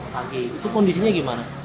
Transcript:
pagi itu kondisinya gimana